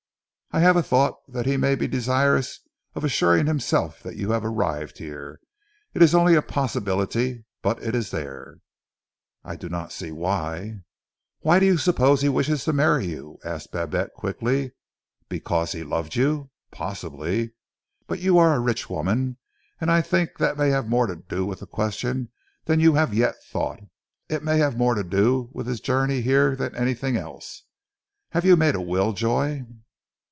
"I have a thought that he may be desirous of assuring himself that you have arrived here. It is only a possibility, but it is there." "I do not see why " "Why do you suppose he wished to marry you?" asked Babette quickly. "Because he loved you? Possibly! But you are a rich woman, and I think that may have more to do with the question than you have yet thought. It may have more to do with his journey here than anything else. Have you made a will, Joy?"